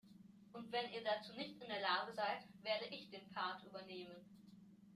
Und wenn ihr dazu nicht in der Lage seid, werde ich den Part übernehmen.